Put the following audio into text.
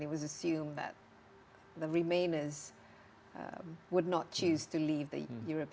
tapi juga keamanan yang lebih baik